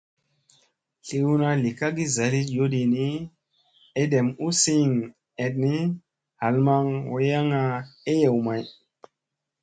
Tliyna li kagi zaali yoodi ni, edem u siiŋ eɗni hal maŋ wayaŋga eyew may.